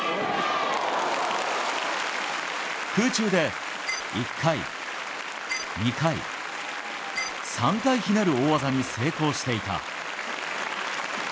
空中で１回、２回、３回ひねる大技に成功していた。